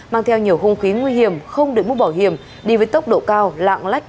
mang theo nhiều hung khí nguy hiểm không được múc bỏ hiểm đi với tốc độ cao lạng lách